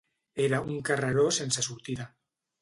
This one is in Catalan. Era un carreró sense sortida.